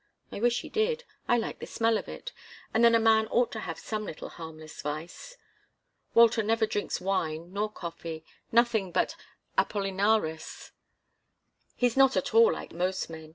I wish he did I like the smell of it, and then a man ought to have some little harmless vice. Walter never drinks wine, nor coffee nothing but Apollinaris. He's not at all like most men.